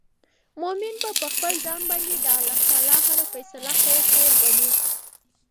مؤمن به په خپل ځان باندي د الله تعالی هره فيصله خير خير ګڼې